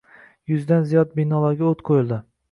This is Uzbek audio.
Yuzdan ziyod binolarga oʻt qoʻyildi